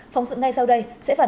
phóng sự ngay sau đây sẽ phản ứng